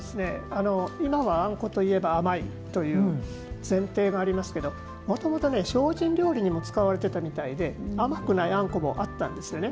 今は、あんこといえば甘いという前提がありますけどもともと精進料理にも使われていたみたいで甘くない、あんこもあったんです。